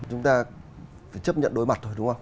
chúng ta phải chấp nhận đối mặt thôi đúng không